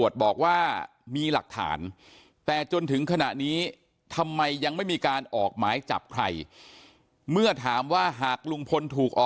จับล่ะจะทำยังไงน่าทนายตั้มบอกว่าก็พร้อมจะช่วยประกันตัวออกมาสู้คดี